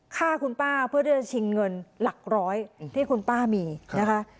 ฆ่าคุณป้าเพื่อที่จะชิงเงินหลักร้อยที่คุณป้ามีนะคะ